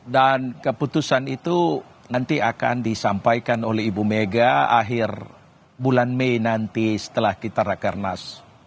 dan keputusan itu nanti akan disampaikan oleh ibu mega akhir bulan mei nanti setelah kita rakernas